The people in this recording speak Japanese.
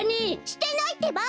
してないってば！